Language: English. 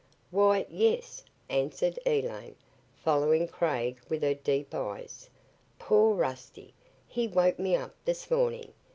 "Why yes," answered Elaine, following Craig with her deep eyes. "Poor Rusty. He woke me up this morning.